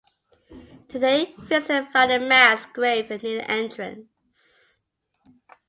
Today, visitors find a mass grave near the entrance.